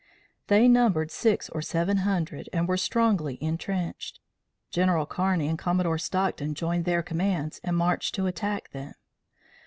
They numbered six or seven hundred and were strongly intrenched. General Kearney and Commodore Stockton joined their commands and marched to attack them.